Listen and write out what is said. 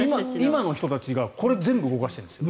今の人たちがこれ、全部動かしてるんですよ。